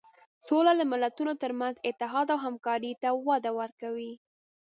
سوله د ملتونو تر منځ اتحاد او همکاري ته وده ورکوي.